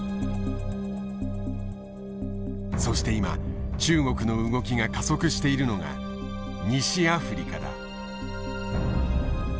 そして今中国の動きが加速しているのが西アフリカだ。